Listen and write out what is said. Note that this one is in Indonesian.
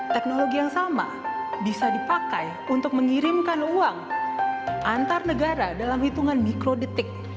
teknologi yang sama bisa dipakai untuk mengirimkan uang antar negara dalam hitungan mikrodetik